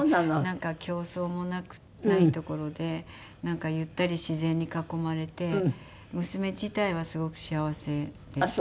なんか競争もない所でゆったり自然に囲まれて娘自体はすごく幸せですよね。